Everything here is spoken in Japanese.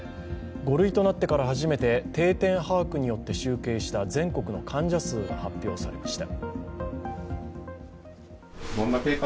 ５類となってから初めて定点把握によって集計した全国の患者数が発表されました。